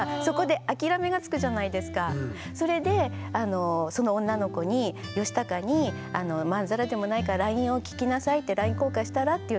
それでその女の子にヨシタカにまんざらでもないからＬＩＮＥを聞きなさいってＬＩＮＥ交換したらって言ったんですよ。